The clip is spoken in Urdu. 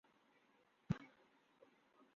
برطانیہ کی پہلی خودکار بس نے دو میل کا سفر طے کیا